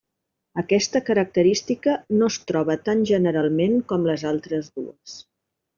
Aquesta característica no es troba tan generalment com les altres dues.